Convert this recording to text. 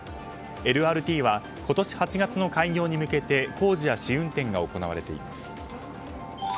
ＬＲＴは今年８月の開業に向けて工事や試運転が行われています。